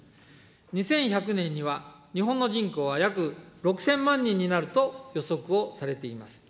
２１００年には、日本の人口は約６０００万人になると予測をされています。